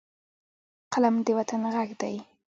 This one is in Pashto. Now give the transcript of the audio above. قلم د وطن غږ دی